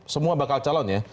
semua bakal calon ya